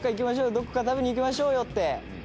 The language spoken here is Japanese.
どこか食べに行きましょうよ」って